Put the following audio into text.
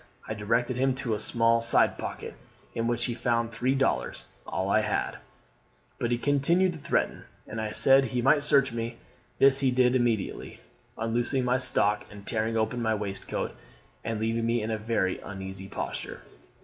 I directed him to a small side pocket, in which he found three dollars, all I had; but he continued to threaten, and I said he might search me: this he did immediately, unloosing my stock and tearing open my waistcoat, and leaving me in a very uneasy posture.